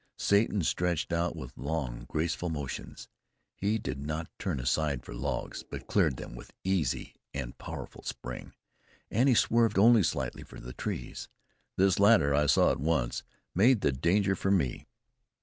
Satan stretched out with long graceful motions; he did not turn aside for logs, but cleared them with easy and powerful spring, and he swerved only slightly to the trees. This latter, I saw at once, made the danger for me.